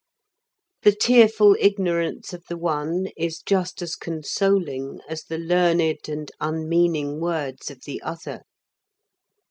The tearful ignorance of the one is just as consoling as the learned and unmeaning words of the other.